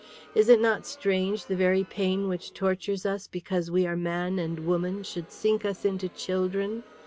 "Is it not strange the very pain which tortures us because we are man and woman should sink us into children?